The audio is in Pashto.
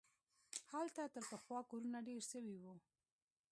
هلته تر پخوا کورونه ډېر سوي وو.